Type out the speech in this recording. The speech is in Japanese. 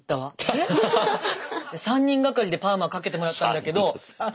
３人がかりでパーマかけてもらったんだけど１８歳ぐらいの時に。